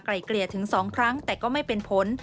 เกลี่ยถึง๒ครั้งแต่ก็ไม่เป็นผล